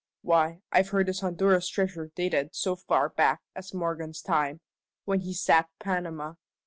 Why, I've heard this Honduras treasure dated so far back as Morgan's time, when he sacked Panama.